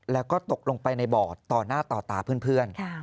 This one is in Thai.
แล้วก็ตกลงไปในบ่อต่อหน้าต่อตาเพื่อน